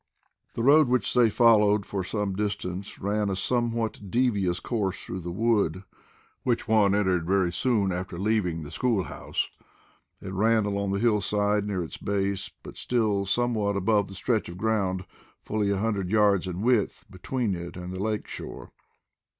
The road which they followed for some distance ran a somewhat devious course through the wood, which one entered very soon after leaving the school house. It ran along the hillside, near its base, but still somewhat above the stretch of ground, fully a hundred yards in width, between it and the lake shore.